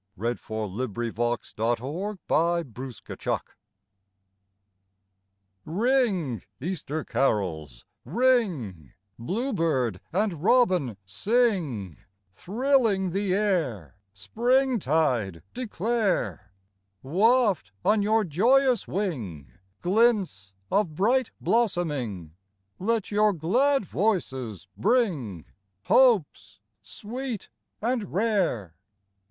24 EASTER CAROLS RING, EASTER CAROLS R ING, Easter carols, rins Bluebird and robin sing, Thrilling the air, Spring tide declare ! Waft on your joyous whig Glints of bright blossoming ; Let your glad voices bring Hopes sweet and rare.